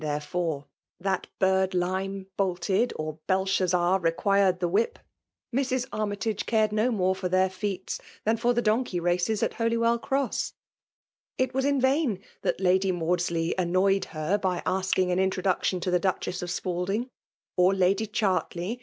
therefcuce^ that JBirdlmf bvtted 0t Belshaxzar requited the wbip ; Mnu AmyUige cared no more for d)eir feats ti^an fur. the donkey jraeea at Holywell Cross. . Jt vm' in vain that Lady Mandsley annoyed h«r \ty asking an introduction to the Duchess of Siding, or Lady Chartloy.